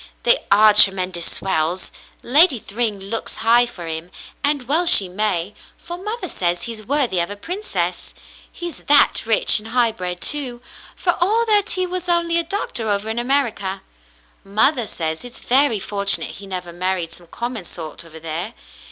"They are tremendous swells. Lady Thryng looks high for him, and well she may, for mother says he's worthy of a princess, he's that rich and high bred, too, for all that he was only a doctor over in America. Mother says it's very fortunate he never married some common sort over there.